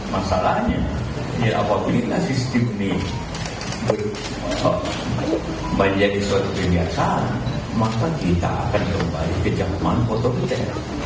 masalahnya apabila sistem ini menjadi suatu kebiasaan maka kita akan kembali ke zaman otoriter